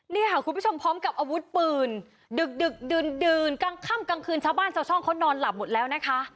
นี่ค่ะคุณผู้ชมพร้อมกับอาวุธปืนดึกดื่นกลางค่ำกลางคืนชาวบ้านชาวช่องเขานอนหลับหมดแล้วนะคะ